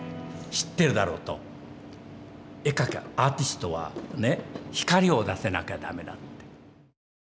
知ってるだろうと絵描きはアーティストは光を出せなきゃダメだって。